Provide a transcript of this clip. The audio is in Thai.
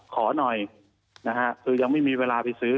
ขอหน่อยนะฮะคือยังไม่มีเวลาไปซื้อ